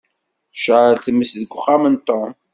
Tecεel tmes deg uxxam n Tom.